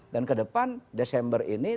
dan kedepan desember ini